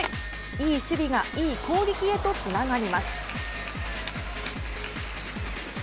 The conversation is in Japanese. いい守備がいい攻撃へとつながります。